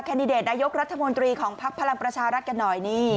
ดิเดตนายกรัฐมนตรีของภักดิ์พลังประชารัฐกันหน่อยนี่